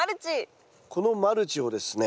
このマルチをですね